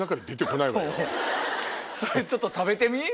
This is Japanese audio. それちょっと食べてみ！